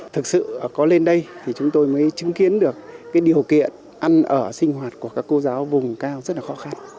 thực sự có lên đây thì chúng tôi mới chứng kiến được cái điều kiện ăn ở sinh hoạt của các cô giáo vùng cao rất là khó khăn